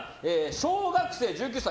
小学生、１９歳。